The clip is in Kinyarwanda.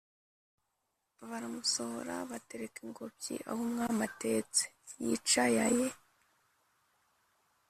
baramusohora batereka ingobyi ahumwami atetse(yicayaye).